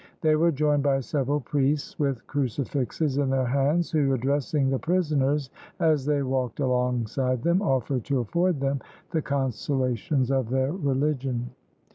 They were joined by several priests with crucifixes in their hands, who, addressing the prisoners as they walked alongside them, offered to afford them the consolations of their religion.